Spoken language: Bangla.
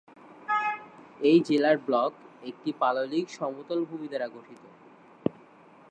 এই জেলার ব্লক একটি পাললিক সমতল ভূমি দ্বারা গঠিত।